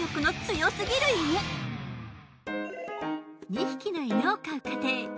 ２匹の犬を飼う家庭。